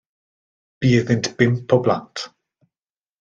Bu iddynt bump o blant.